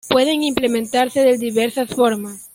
Pueden implementarse de diversas formas.